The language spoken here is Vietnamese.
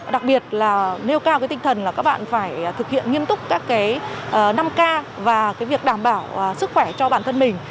đặc biệt là nêu cao cái tinh thần là các bạn phải thực hiện nghiêm túc các năm k và cái việc đảm bảo sức khỏe cho bản thân mình